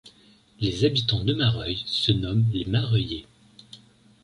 Les habitants de Mareuil se nomment les Mareuillais.